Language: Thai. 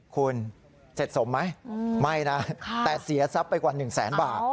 คุณเสร็จสมไหมไม่นะแต่เสียทรัพย์ไปกว่า๑แสนบาท